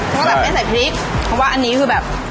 ก็หลายใส่พริกเพราะว่าอันนี้คือแบบ